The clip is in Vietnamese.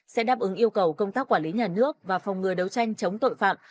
sẽ đáp ứng yêu cầu công tác quản lý nhà nước và phòng ngừa đấu tranh chống tội phạm